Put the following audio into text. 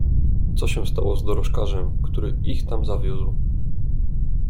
"Co się stało z dorożkarzem, który ich tam zawiózł?"